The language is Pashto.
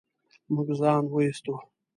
موږ ځان و ايستو.